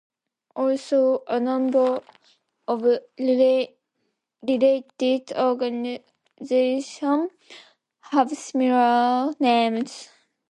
Also, a number of related organisations have similar names.